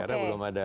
karena belum ada